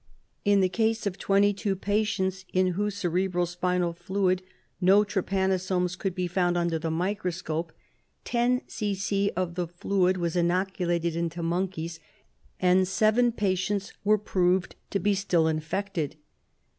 In the case of twenty two patients in whose cerebro spinal fluid no trypanosomes could be found under the microscope, 10 c.c. of the fluid was inoculated into monkeys, and seven patients were proved to be still infected.